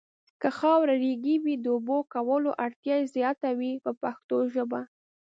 که خاوره ریګي وي د اوبو کولو اړتیا یې زیاته وي په پښتو ژبه.